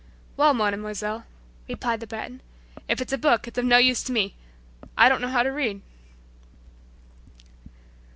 "Well, Mademoiselle," replied the Breton, "if it's a book, it's of no use to me. I don't know how to read!"